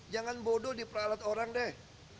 jangan bodoh diperalat orang deh